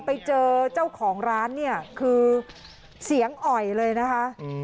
ไปเจอเจ้าของร้านเนี่ยคือเสียงอ่อยเลยนะคะ